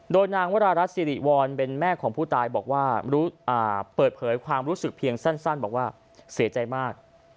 โดยนางวรารัฐสิริวรเป็นแม่ของผู้ตายบอกว่าเปิดเผยความรู้สึกเพียงสั้นบอกว่าเสียใจมาก